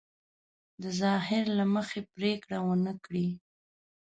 د ظاهر له مخې پرېکړه ونه کړي.